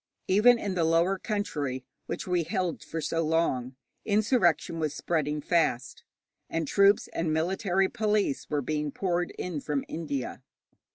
Even in the lower country, which we held for so long, insurrection was spreading fast, and troops and military police were being poured in from India.